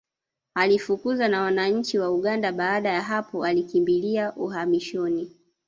Alifukuzwa na wananchi wa Uganda baada ya hapo alikimbilia uhamishoni